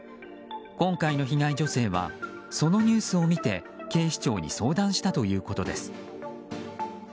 今回の被害女性はそのニュースを見て警視庁に相談したということです。